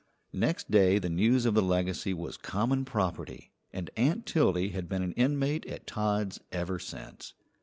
Next day the news of the legacy was common property, and Aunt Tildy had been an inmate at Todd's ever since.